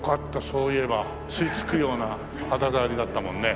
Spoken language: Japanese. そういえば吸い付くような肌触りだったもんね。